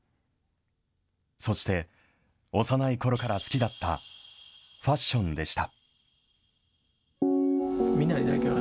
そして、幼いころから好きだったファッションでした。